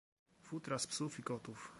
Futra z psów i kotów